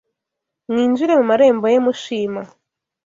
Mwinjire mu marembo ye mushima